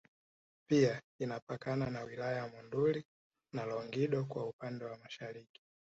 Pia inapakana na wilaya za Monduli na Longido kwa upande wa Mashariki